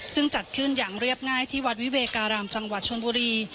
ซึ่งจัดขึ้นอย่างเรียบง่ายที่วัดวิเวการามจังหวัดชนบุรี